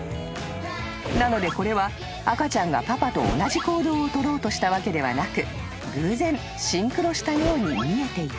［なのでこれは赤ちゃんがパパと同じ行動を取ろうとしたわけではなく偶然シンクロしたように見えていた］